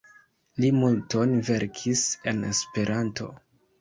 Li multon verkis en Esperanto.